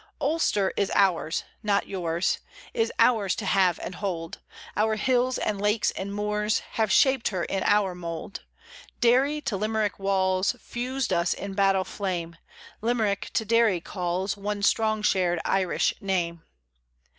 "Ulster" is ours, not yours, Is ours to have and hold, Our hills and lakes and moors Have shaped her in our mould. Derry to Limerick Walls Fused us in battle flame; Limerick to Derry calls One strong shared Irish name.